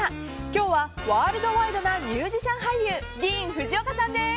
今日はワールドワイドなミュージシャン俳優ディーン・フジオカさんです。